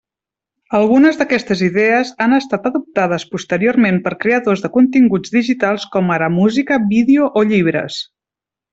Algunes d'aquestes idees han estat adoptades posteriorment per creadors de continguts digitals com ara música, vídeo o llibres.